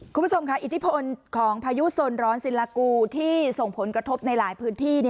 คุณผู้ชมค่ะอิทธิพลของพายุสนร้อนศิลากูที่ส่งผลกระทบในหลายพื้นที่